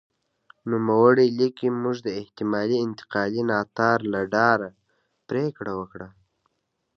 نوموړی لیکي موږ د احتمالي انتقالي ناتار له ډاره پرېکړه وکړه.